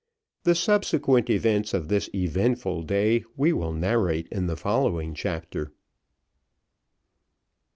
The subsequent events of this eventful day we will narrate in the following chapter.